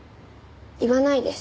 言わないです。